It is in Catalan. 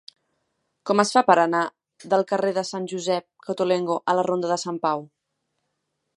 Com es fa per anar del carrer de Sant Josep Cottolengo a la ronda de Sant Pau?